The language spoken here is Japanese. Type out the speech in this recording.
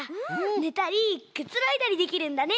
ねたりくつろいだりできるんだね。